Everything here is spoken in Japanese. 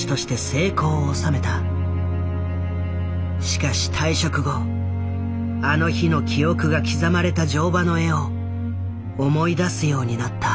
しかし退職後あの日の記憶が刻まれた乗馬の絵を思い出すようになった。